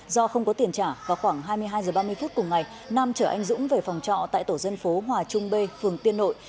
do không có tiền trả vào khoảng hai mươi hai h ba mươi phút cùng ngày nam chở anh dũng về phòng trọ tại tổ dân phố hòa trung b phường tiên nội